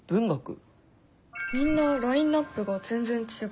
みんなラインナップが全然違う。